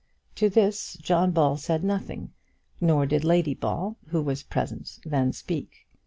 To this John Ball said nothing, nor did Lady Ball, who was present, then speak.